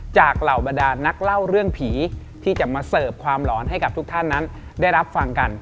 เหล่าบรรดานนักเล่าเรื่องผีที่จะมาเสิร์ฟความหลอนให้กับทุกท่านนั้นได้รับฟังกัน